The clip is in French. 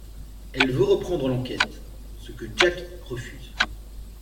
Elle veut reprendre l'enquête, ce que Jack refuse.